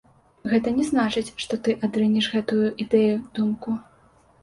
Гэта не значыць, што ты адрынеш гэтую ідэю, думку.